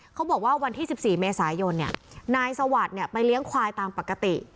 เขาบอกว่าวันที่๑๔เมษายนเนี่ยนายสวัสดิ์เนี่ยไปเลี้ยงควายตามปกติ